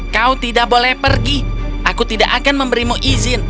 kau tidak boleh pergi aku tidak akan memberimu izin